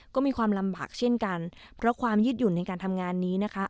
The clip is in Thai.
ก็มีความลำบากเช่นกันเพราะความยืดหยุ่นในการทำงานนี้นะคะ